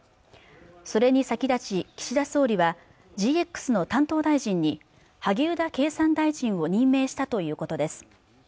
それに先立ち岸田総理はＧＸの担当大臣に萩生田経産大臣を任命したということです